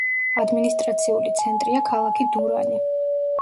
ადმინისტრაციული ცენტრია ქალაქი დურანი.